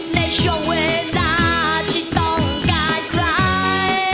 ในช่วงเวลาที่ต้องการใคร